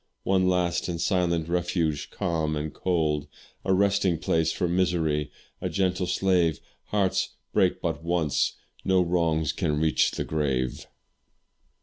One last and silent refuge, calm and cold A resting place for misery's gentle slave; Hearts break but once, no wrongs can reach the grave.